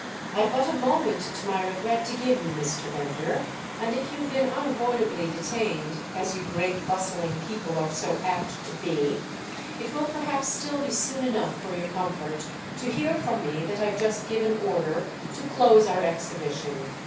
"I've but a moment, to my regret, to give you, Mr. Bender, and if you've been unavoidably detained, as you great bustling people are so apt to be, it will perhaps still be soon enough for your comfort to hear from me that I've just given order to close our exhibition.